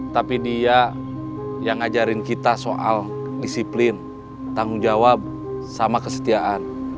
tapi dia yang ngajarin kita soal disiplin tanggung jawab sama kesetiaan